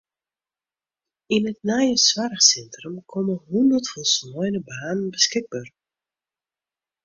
Yn it nije soarchsintrum komme hûndert folsleine banen beskikber.